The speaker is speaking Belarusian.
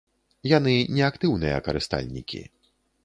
Яны не актыўныя карыстальнікі.